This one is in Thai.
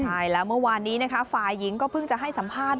ใช่แล้วเมื่อวานนี้นะคะฝ่ายหญิงก็เพิ่งจะให้สัมภาษณ์